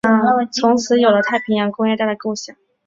从此有了太平洋工业带的构想。